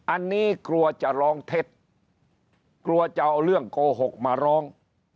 อันนี้กลัวจะร้องเท็จกลัวจะเอาเรื่องโกหกมาร้อง